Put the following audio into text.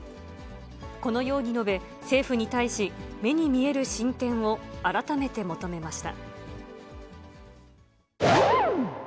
このように述べ、政府に対し、目に見える進展を改めて求めました。